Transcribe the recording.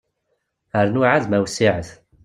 Rnu ɛad ma wessiɛet.